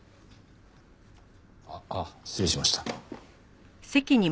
あっ失礼しました。